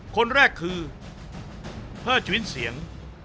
คนแรกคือเพิ่มชีวิตเสียง